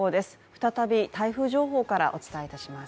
再び台風情報からお伝えいたします。